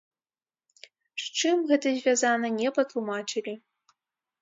З чым гэта звязана не патлумачылі.